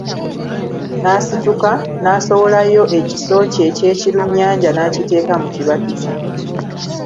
N'asituka, n'asowolayo ekiso kye eky'ekirunnyanja n'akiteeka mu kibatu kye.